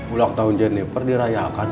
ulang tahun jenifer dirayakan